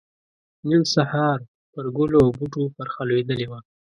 نن سحار پر ګلو او بوټو پرخه لوېدلې وه